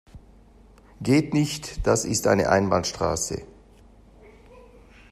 Geht nicht, das ist eine Einbahnstraße.